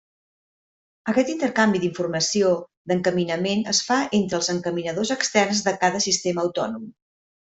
Aquest intercanvi d'informació d'encaminament es fa entre els encaminadors externs de cada sistema autònom.